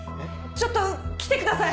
ちょっと来てください！